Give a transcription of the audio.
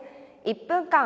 「１分間！